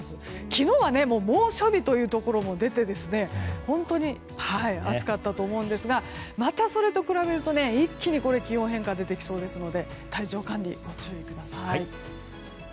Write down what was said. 昨日は猛暑日というところも出て本当に暑かったと思うんですがまたそれと比べると一気に気温変化が出てきそうですので体調管理にご注意ください。